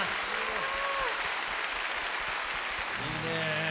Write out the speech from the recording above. いいね。